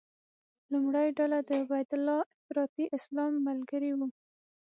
لومړۍ ډله د عبیدالله افراطي اسلام ملګري وو.